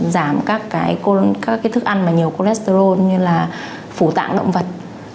giảm các cái thức ăn mà nhiều cholesterol như là phủ tạng động vật